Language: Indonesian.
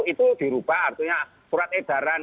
itu dirubah artinya surat edaran